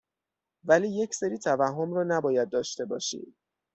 ولی یکسری توهم رو نباید داشته باشیم.